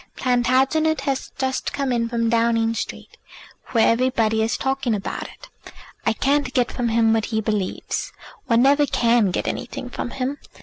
Plantagenet has just come in from Downing Street, where everybody is talking about it. I can't get from him what he believes. One never can get anything from him.